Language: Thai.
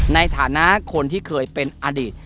ในฐานะคนที่เคยเป็นอดีต